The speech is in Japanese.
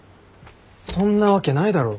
そんなわけないだろ。